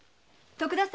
徳田様